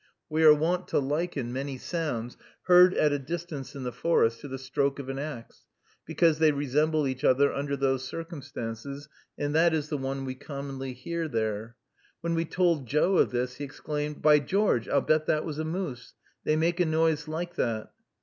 We are wont to liken many sounds, heard at a distance in the forest, to the stroke of an axe, because they resemble each other under those circumstances, and that is the one we commonly hear there. When we told Joe of this, he exclaimed, "By George, I'll bet that was a moose! They make a noise like that."